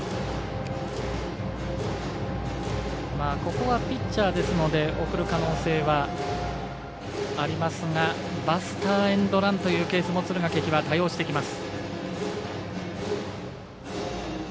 ここはピッチャーですので送る可能性はありますがバスターエンドランというケースも敦賀気比は多用してきます。